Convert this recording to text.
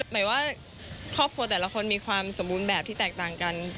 หมายว่าครอบครัวแต่ละคนมีความสมบูรณ์แบบที่แตกต่างกัน